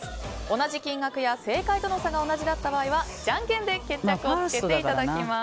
同じ金額や正解との差が同じだった場合はじゃんけんで決着をつけていただきます。